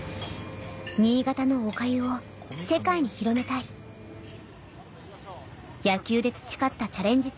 新潟のおかゆを世界に広めたい野球で培ったチャレンジ